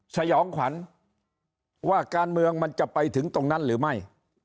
สยองขวัญว่าการเมืองมันจะไปถึงตรงนั้นหรือไม่